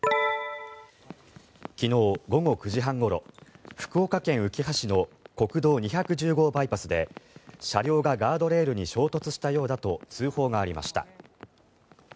昨日午後９時半ごろ福岡県うきは市の国道２１０号バイパスで車両がガードレールに衝突したようだと通報がありました。